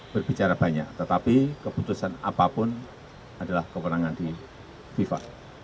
berbicara banyak tetapi keputusan apapun adalah kewenangan di fifa